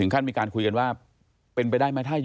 ก่อนที่มีความตัดต่อมา